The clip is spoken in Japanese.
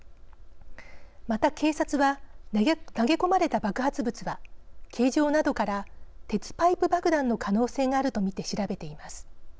また警察は投げ込まれた爆発物は形状などから鉄パイプ爆弾の可能性があると見て調べています。